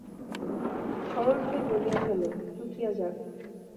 সরলভাবে বলিয়া ফেলো, চুকিয়া যাক।